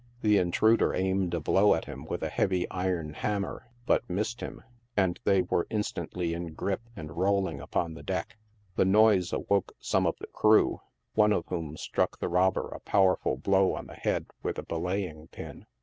The intruder aimed a blow at him with a heavy iron hammer, but missed him, and they were in stantly in gripe and rolling upon the deck. The noise awoke some of the crew, one of whom struck the robber a powerful blow on the head with a belaying pin.